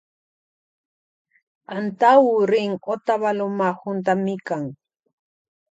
Antawu rin otavaloma juntamikan.